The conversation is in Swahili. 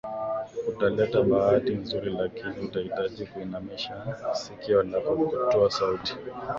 kutaleta bahati nzuri lakini utahitaji kuinamisha sikio lako na kutoa sauti